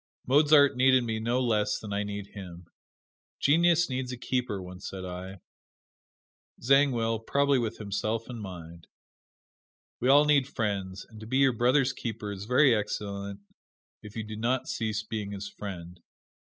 Mozart needed me no less than I need him. "Genius needs a keeper," once said I. Zangwill, probably with himself in mind. We all need friends and to be your brother's keeper is very excellent if you do not cease being his friend.